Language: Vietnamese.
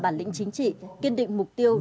bản lĩnh chính trị kiên định mục tiêu